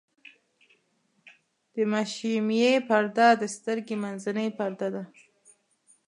د مشیمیې پرده د سترګې منځنۍ پرده ده.